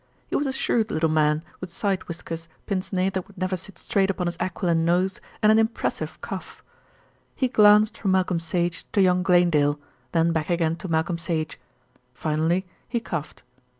He was a shrewd little man, with side whiskers, pince nez that would never sit straight upon his aquiline nose, and an impressive cough. He glanced from Malcolm Sage to young Glanedale, then back again to Malcolm Sage; finally he coughed.